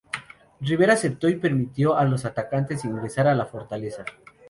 Ribera aceptó y permitió a los atacantes ingresar a la fortaleza.